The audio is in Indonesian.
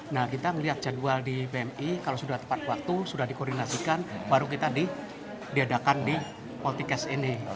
nah kita melihat jadwal di pmi kalau sudah tepat waktu sudah dikoordinasikan baru kita diadakan di polticast ini